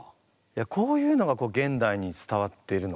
こういうのが現代に伝わってるの？